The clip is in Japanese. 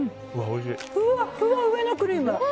ふわっふわ、上のクリーム。